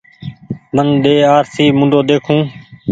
من ۮي آرسي موُڍو ۮيکون